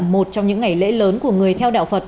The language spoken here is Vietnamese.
một trong những ngày lễ lớn của người theo đạo phật